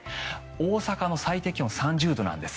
大阪の最低気温３０度なんです。